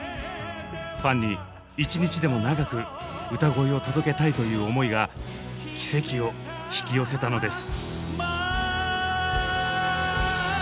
ファンに１日でも長く歌声を届けたいという思いが奇跡を引き寄せたのです。